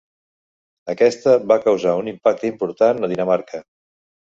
Aquesta va causar un impacte important a Dinamarca.